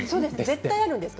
絶対あるんですか？